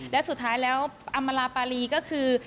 และสุดท้ายแล้วอำมาราปารีก็คือ